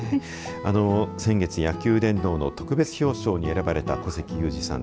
先月、野球殿堂の特別表彰に選ばれた古関裕而さん。